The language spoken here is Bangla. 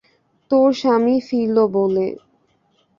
তোর স্বামী ফিরল বলে।